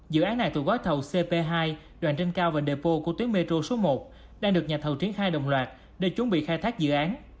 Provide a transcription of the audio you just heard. dự án này thuộc gói thầu cp hai đoạn trên cao và đề bô của tuyến metro số một đang được nhà thầu triển khai đồng loạt để chuẩn bị khai thác dự án